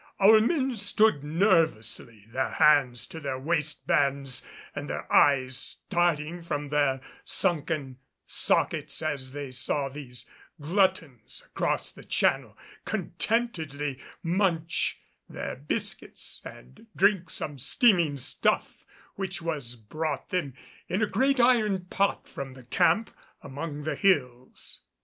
Our men stood nervously, their hands to their waistbands and their eyes starting from their sunken sockets as they saw these gluttons across the channel contentedly munch their biscuits and drink some steaming stuff which was brought them in a great iron pot from the camp among the hills.